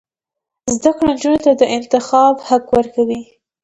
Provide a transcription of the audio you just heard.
زده کړه نجونو ته د انتخاب حق ورکوي.